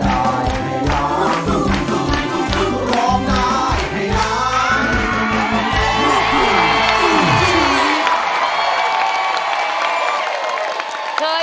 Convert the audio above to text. เพื่อนรักไดเกิร์ต